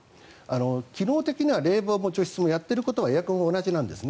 機能的には冷房も除湿もやっていることはエアコンは同じなんですね。